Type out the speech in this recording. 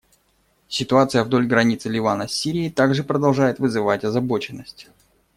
Ситуация вдоль границы Ливана с Сирией также продолжает вызвать озабоченность.